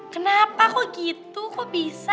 kenapa kok gitu kok bisa